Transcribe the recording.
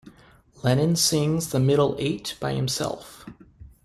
Lennon sings the middle eight by himself.